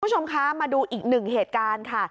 คุณผู้ชมคะมาดูอีกหนึ่งเหตุการณ์ค่ะ